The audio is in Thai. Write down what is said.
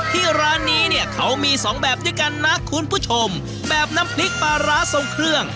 ที่ร้านนี้เนี่ยเขามีสองแบบด้วยกันนะคุณผู้ชมแบบน้ำพริกปลาร้าทรงเครื่อง